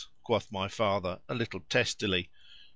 (quoth my father, a little testily.)